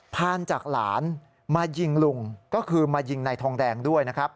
ผ่านจากหลานมายิงลุงก็คือมายิงนายทองแดงด้วยนะครับ